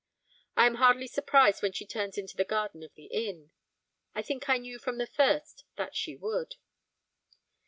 I am hardly surprised when she turns into the garden of the inn, I think I knew from the first that she would.